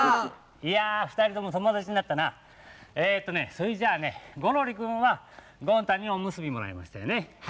それじゃゴロリくんはゴン太におむすびもらいましたよね。